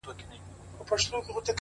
اخلاق د شخصیت تلپاتې نښه ده!